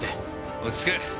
落ち着け！